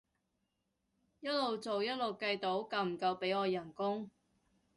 一路做一路計到夠唔夠俾我人工